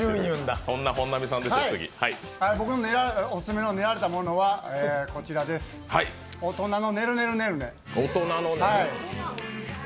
僕のおすすめの練られたものは、大人のねるねるねるね。